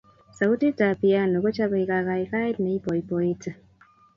sautit ap piano kochapei kakaikaet neipoipoiti